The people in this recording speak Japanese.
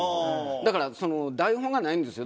だから台本がないんですよ。